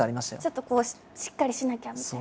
ちょっとしっかりしなきゃみたいな。